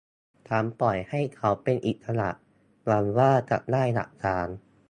ฉันปล่อยให้เขาเป็นอิสระหวังว่าจะได้หลักฐาน